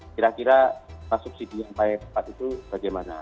kira kira subsidi yang paling tepat itu bagaimana